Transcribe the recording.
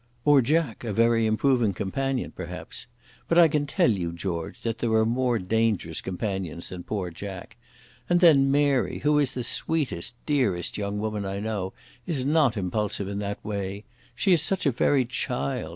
"Or Jack a very improving companion, perhaps. But I can tell you, George, that there are more dangerous companions than poor Jack. And then, Mary, who is the sweetest, dearest young woman I know, is not impulsive in that way. She is such a very child.